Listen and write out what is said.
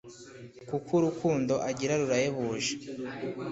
kuk'urukundo agira rurahebuje